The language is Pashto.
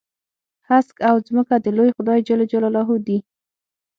هسک او ځمکه د لوی خدای جل جلاله دي.